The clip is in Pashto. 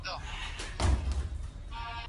مصنوعي غړي چيري جوړیږي؟